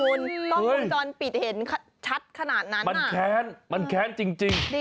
ต้องพิสูจน์ปิดเห็นชัดขนาดนั้นจริง